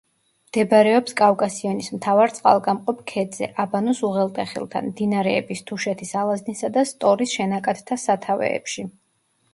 მდებარეობს კავკასიონის მთავარ წყალგამყოფ ქედზე, აბანოს უღელტეხილთან, მდინარეების თუშეთის ალაზნისა და სტორის შენაკადთა სათავეებში.